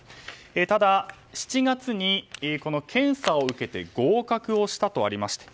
ただ、７月に検査を受けて合格をしたとありました。